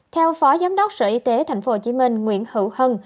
theo phó giám đốc sở y tế tp hcm nguyễn hữu hân